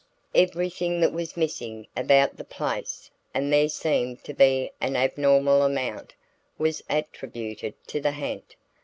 Everything that was missing about the place and there seemed to be an abnormal amount was attributed to the ha'nt.